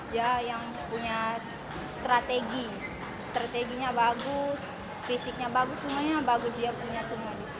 dia yang punya strategi strateginya bagus fisiknya bagus semuanya bagus dia punya semua di sini